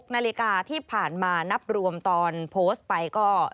นาฬิกาที่ผ่านมานับรวมตอนโพสต์ไปก็